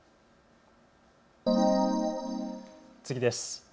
次です。